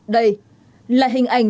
đây là hình ảnh